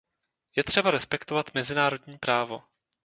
Je třeba respektovat mezinárodní právo.